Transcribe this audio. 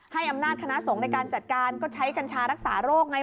ให้อำนาจคณะสงฆ์ในการจัดการก็ใช้กัญชารักษาโรคไง